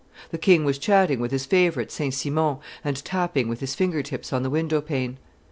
The king was chatting with his favorite St. Simon, and tapping with his finger tips on the window pane.